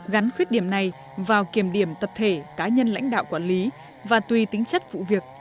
gắn khuyết điểm này vào kiểm điểm tập thể cá nhân lãnh đạo quản lý và tùy tính chất vụ việc